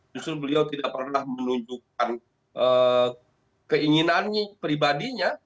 justru beliau tidak pernah menunjukkan keinginannya pribadinya